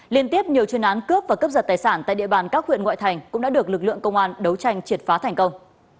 liên tiếp nhiều chuyên án cướp và cướp giật tài sản tại địa bàn các huyện ngoại thành cũng đã được lực lượng công an đấu tranh triệt phá thành công